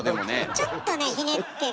ちょっとねひねってる。